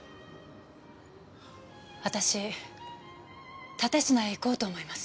私蓼科へ行こうと思います。